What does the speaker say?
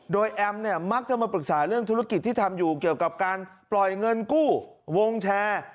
โดยแอมเนี่ยมักจะมาปรึกษาเรื่องธุรกิจที่ทำอยู่เกี่ยวกับการปล่อยเงินกู้วงแชร์